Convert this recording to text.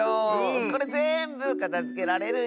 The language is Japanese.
これぜんぶかたづけられるよ。